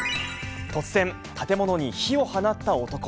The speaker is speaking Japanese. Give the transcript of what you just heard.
突然、建物に火を放った男。